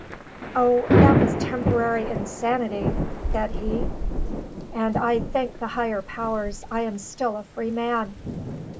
"O, that was temporary insanity," said he; "and I thank the higher powers I am still a free man.